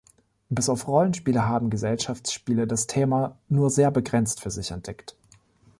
Bis auf Rollenspiele haben Gesellschaftsspiele das Thema nur sehr begrenzt für sich entdeckt.